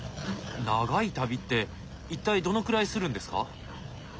長い旅って一体どのくらいするんですか？